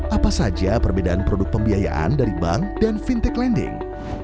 apa saja perbedaan produk pembiayaan dari bank dan fintech lending